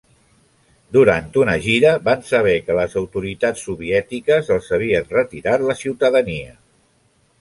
Durant una gira van saber que les autoritats soviètiques els havien retirat la ciutadania.